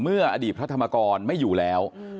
อดีตพระธรรมกรไม่อยู่แล้ว